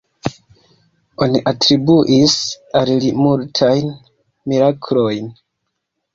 Oni atribuis al li multajn miraklojn.